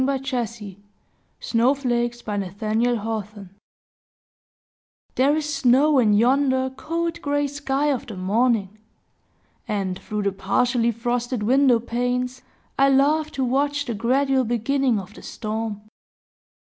TWICE TOLD TALES SNOW FLAKES By Nathaniel Hawthorne There is snow in yonder cold gray sky of the morning! and, through the partially frosted window panes, I love to watch the gradual beginning of the storm.